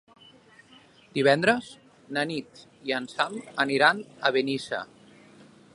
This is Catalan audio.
Divendres na Nit i en Sam aniran a Benissa.